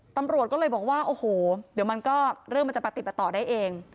ตำรวจก็เลยบอกว่าโอ้โหเดี๋ยวมันก็เรื่องมันจะประติดประต่อได้เอง